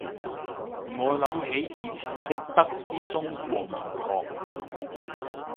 我諗起以前識得啲中國同學